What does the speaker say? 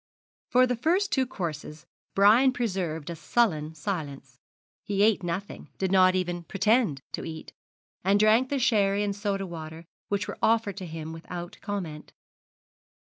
For the first two courses Brian preserved a sullen silence. He ate nothing did not even pretend to eat and drank the sherry and soda water which were offered to him without comment.